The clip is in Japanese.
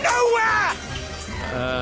ああ。